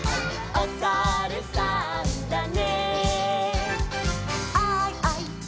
「おさるさんだね」